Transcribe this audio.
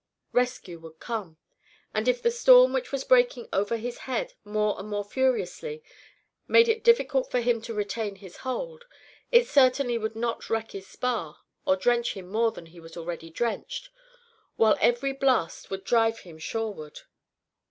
Rescue would come, and if the storm which was breaking over his head more and more furiously made it difficult for him to retain his hold, it certainly would not wreck his spar or drench him more than he was already drenched, while every blast would drive him shoreward.